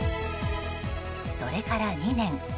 それから２年。